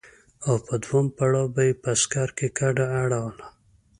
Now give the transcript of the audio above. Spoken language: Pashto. او په دوهم پړاو به يې په سکر کې کډه اړوله.